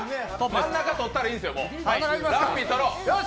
真ん中取ったらいいんですよ。